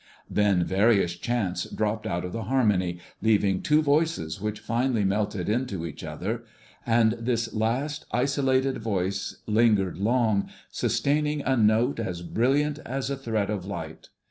Then various chants dropped out of the harmony, leaving two voices which finally melted into each other; and this last isolated voice lingered long, sustaining a note as brilliant as a thread of light.